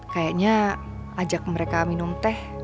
kayaknya ajak mereka minum teh